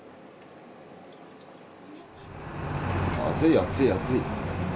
暑い、暑い、暑い。